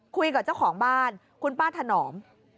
คุยกับเจ้าของบ้านคุณป้าถนอม